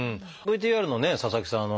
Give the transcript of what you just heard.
ＶＴＲのね佐々木さん